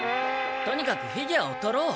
とにかくフィギュアを取ろう。